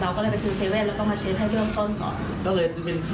เราก็เลยไปซื้อเซเว่นแล้วก็มาเช็บให้เริ่มต้นก่อน